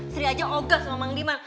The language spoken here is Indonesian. seri aja ogos sama mang liman